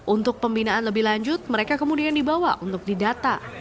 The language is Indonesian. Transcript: untuk pembinaan lebih lanjut mereka kemudian dibawa untuk didata